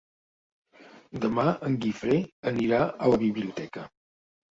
Demà en Guifré anirà a la biblioteca.